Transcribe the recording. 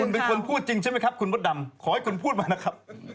เปิดใจถูกด่า